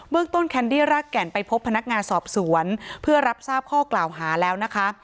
เมืองต้นแคนดี้รากแก่นไปพบพนักงานสอบสวนเพื่อรับทราบข้อกล่าวหาแล้วนะคะ